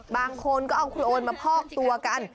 บางคนก็เอาครูโอนมาพอกตัวกัน